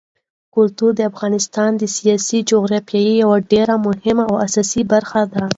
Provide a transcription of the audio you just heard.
کلتور د افغانستان د سیاسي جغرافیې یوه ډېره مهمه او اساسي برخه ده.